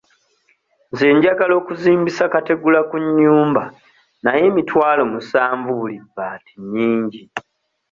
Nze njagala okuzimbisa kategula ku nnyumba naye emitwalo musanvu buli bbaati nnyingi.